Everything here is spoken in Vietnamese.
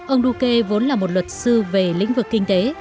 ông duque vốn là một luật sư về lĩnh vực kinh tế